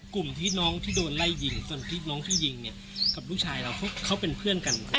กลุ่มที่น้องที่โดนไล่ยิงจนน้องที่ยิงเนี่ยกับลูกชายเราเขาเป็นเพื่อนกัน